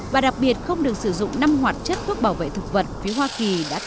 và đặc biệt không được sử dụng năm hoạt chất thuốc bảo vệ thực vật phía hoa kỳ